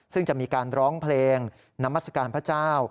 ซึ่งจะมีการร้องเพลงนามัศกาลพระเจ้า